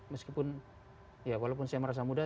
meskipun ya walaupun saya merasa muda